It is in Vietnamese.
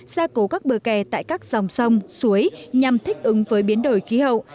gia cố các bờ kè tại các dòng sông suối nhằm thích ứng với biến đổi khí hậu